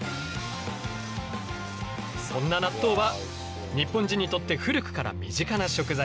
そんな納豆は日本人にとって古くから身近な食材。